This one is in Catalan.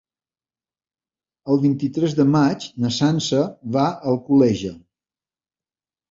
El vint-i-tres de maig na Sança va a Alcoleja.